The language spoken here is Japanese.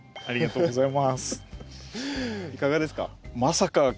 いかがですか？